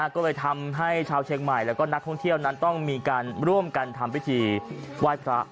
ก็ทำให้เชียงใหม่และนักท่องเที่ยวมีร่วมกันทำพิธีไหว้พระ